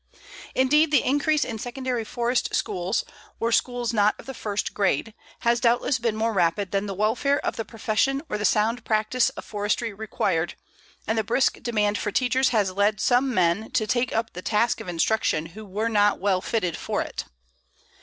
Indeed, the increase in secondary forest schools, or schools not of the first grade, has doubtless been more rapid than the welfare of the profession or the sound practice of forestry required, and the brisk demand for teachers has led some men to take up the task of instruction who were not well fitted for it.